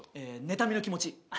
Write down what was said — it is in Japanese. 妬みの気持ち。